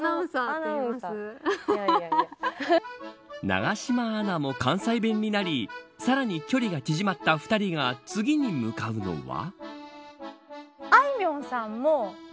永島アナも関西弁になりさらに距離が縮まった２人が次に向かうのは。